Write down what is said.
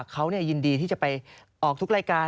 เขายินดีที่จะไปออกทุกรายการ